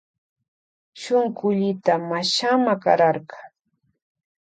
Shunkullita mashama kararka.